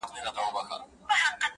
په یوه آواز راووتل له ښاره،